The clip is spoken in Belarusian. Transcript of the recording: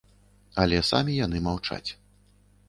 Але самі яны маўчаць.